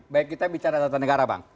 baik kita bicara tata negara bang